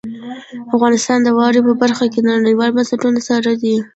افغانستان د واورې په برخه کې نړیوالو بنسټونو سره دی.